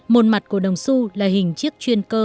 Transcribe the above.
một mặt của đồng su là hình chiếc chuyên cơ